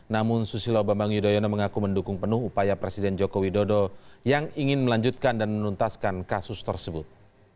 namun susilo bambang yudhoyono mengaku mendukung penuh upaya presiden joko widodo yang ingin melanjutkan dan menuntaskan kasus tersebut